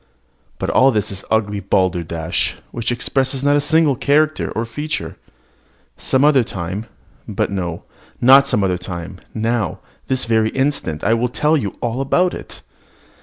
But all this is ugly balderdash, which expresses not a single character nor feature. Some other time but no, not some other time, now, this very instant, will I tell you all about it.